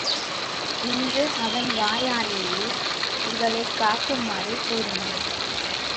இன்று அவன் வாயாலேயே இவளைக் காக்குமாறு கூறினான்.